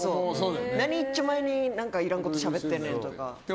何一丁前にいらんことしゃべってんねんみたいな。